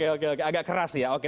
oke oke agak keras ya oke